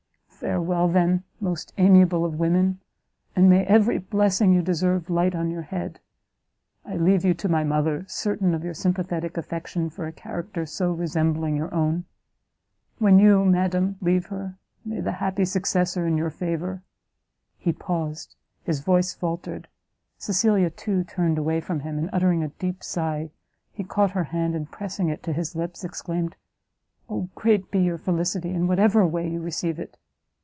"Farewell, then, most amiable of women, and may every blessing you deserve light on your head! I leave to you my mother, certain of your sympathetic affection for a character so resembling your own. When you, madam, leave her, may the happy successor in your favour " He paused, his voice faultered, Cecilia, too, turned away from him, and, uttering a deep sigh, he caught her hand, and pressing it to his lips, exclaimed, "O great be your felicity, in whatever way you receive it!